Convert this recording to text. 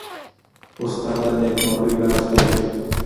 استاد د نېکمرغۍ راز پېژني.